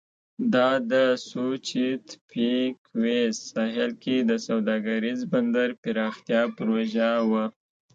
دا د سوچیتپیکویز ساحل کې د سوداګریز بندر پراختیا پروژه وه.